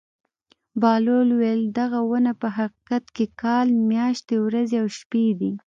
بهلول وویل: دغه ونه په حقیقت کې کال میاشتې ورځې او شپې دي.